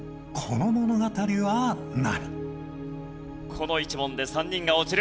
この１問で３人が落ちる。